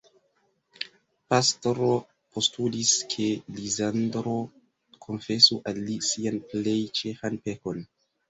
Pastro postulis, ke Lizandro konfesu al li sian plej ĉefan pekon.